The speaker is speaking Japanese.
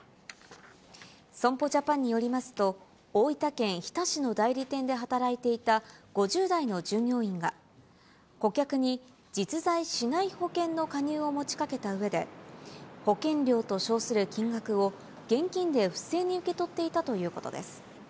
損保ジャパンによりますと、大分県日田市の代理店で働いていた５０代の従業員が、顧客に実在しない保険の加入を持ちかけたうえで、保険料と称する金額を現金で不正に受け取っていたということです。